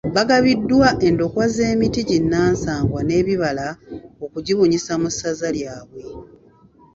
Bagabiddwa endokwa z’emiti ginnansangwa n’ebibala okugibunyisa mu ssaza lyabwe.